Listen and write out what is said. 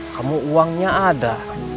kamu uangnya ada